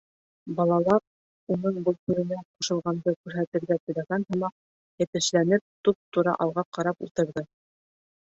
Балалар, уның был һүҙенә ҡушылғанды күрһәтергә теләгән һымаҡ, йәтешләнеп, туп-тура алға ҡарап ултырҙы.